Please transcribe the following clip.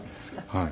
はい。